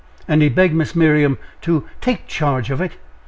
And he begged Miss Miriam to take charge of it.